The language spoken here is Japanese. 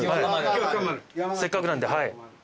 せっかくなんではい。